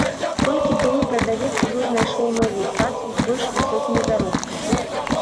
Толькі былы прадавец ужо знайшоў новую працу з больш высокімі заробкамі.